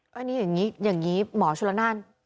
ก็อันนี้อย่างงี้เหมือนหมอชนาน